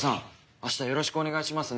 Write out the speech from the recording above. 明日よろしくお願いしますね。